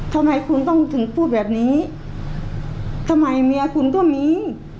ทำไมคุณต้องถึงพูดแบบนี้ทำไมเมียคุณก็มี